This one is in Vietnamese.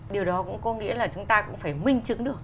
điều đó cũng có nghĩa là chúng ta cũng phải minh chứng được